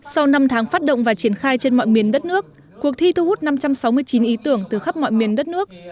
sau năm tháng phát động và triển khai trên mọi miền đất nước cuộc thi thu hút năm trăm sáu mươi chín ý tưởng từ khắp mọi miền đất nước